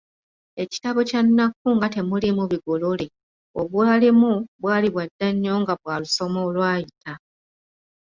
Ekitabo kya Nnakku nga temuliimu bigolole obwalimu bwali bwadda nnyo nga bwa lusoma olwayita.